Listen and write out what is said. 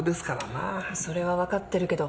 それは分かってるけど。